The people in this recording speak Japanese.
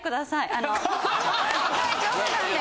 大丈夫なんで。